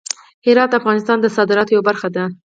هرات د افغانستان د صادراتو یوه برخه ده.